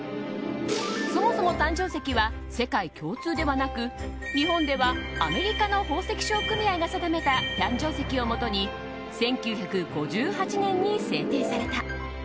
そもそも誕生石は世界共通ではなく日本ではアメリカの宝石商組合が定めた誕生石をもとに１９５８年に制定された。